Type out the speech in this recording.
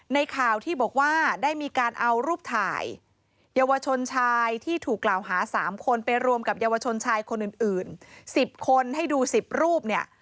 ในข่าวที่บอกว่าได้มีการเอารูปถ่ายเยาวชนชายที่ถูกกล่าวหา๓คนไปรวมกับเยาวชนชายคนอื่น๑๐คนให้ดู๑๐รูปเนี่ย